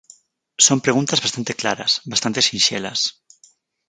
Son preguntas bastante claras, bastante sinxelas.